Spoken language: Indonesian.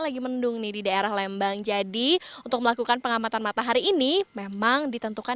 lagi mendung nih di daerah lembang jadi untuk melakukan pengamatan matahari ini memang ditentukan